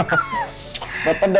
papa dapet kerja